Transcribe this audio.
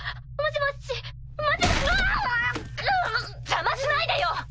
邪魔しないでよ！